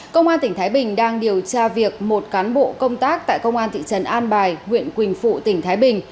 công an tỉnh thái bình đang điều tra việc một cán bộ công tác tại công an thị trấn an bài huyện quỳnh phụ tỉnh thái bình